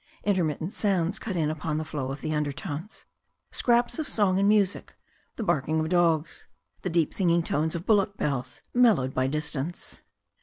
Intermittent sounds cut in upon the flow of the undertones — scraps of song and music, the barking of dogs, the deep singing tones of bul lock bells, mellowed by distance.